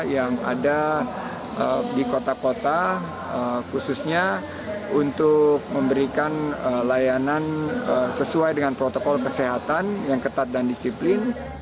yang ada di kota kota khususnya untuk memberikan layanan sesuai dengan protokol kesehatan yang ketat dan disiplin